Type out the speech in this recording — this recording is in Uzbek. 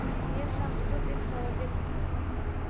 Men ham uzr deb, savolga tutdim.